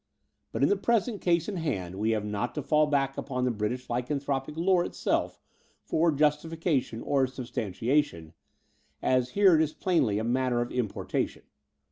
But in the present case in hand we have not to fall back upon British lycanthropic lore it self for justification or substantiation, as here it is plainly a matter of importation."